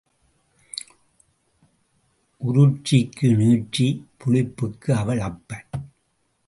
உருட்சிக்கு நீட்சி, புளிப்புக்கு அவள் அப்பன்.